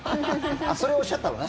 それをおっしゃったのね。